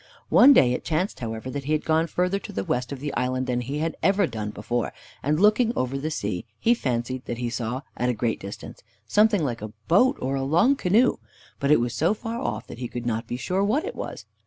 One day it chanced, however, that he had gone further to the west of the island than he had ever done before, and, looking over the sea, he fancied that he saw, at a great distance, something like a boat or a long canoe, but it was so far off that he he could not be sure what it was.